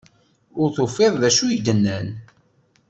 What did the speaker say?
Ur tufiḍ d acu i d-nnan.